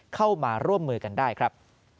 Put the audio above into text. เข้ามาร่วมมือกันได้ครับ